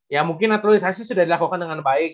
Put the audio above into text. ya mungkin naturalisasi sudah dilakukan dengan baik